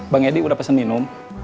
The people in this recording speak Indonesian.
bang edi udah pesen minum